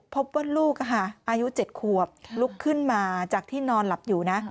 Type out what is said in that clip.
พบว่าลูกอายุ๗ขวบลุกขึ้นมาจากที่นอนหลับอยู่นะ